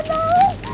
cepat tarik dia